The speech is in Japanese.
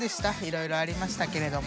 色々ありましたけれども。